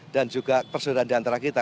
dan juga persaudaraan di antara kita